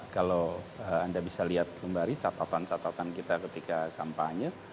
kalau anda bisa lihat kembali catatan catatan kita ketika kampanye